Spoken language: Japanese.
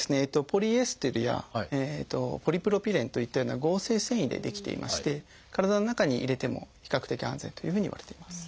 ポリエステルやポリプロピレンといったような合成繊維で出来ていまして体の中に入れても比較的安全というふうにいわれています。